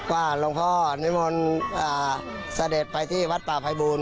ว่าหลวงพ่อนิมนต์เสด็จไปที่วัดป่าภัยบูรณ